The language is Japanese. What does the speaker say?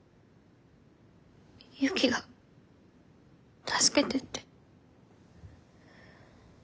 ユキが助けてって。